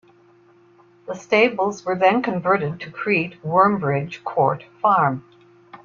The stables were then converted to create Wormbridge Court Farm.